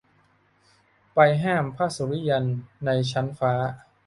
ไปห้ามพระสุริยันในชั้นฟ้า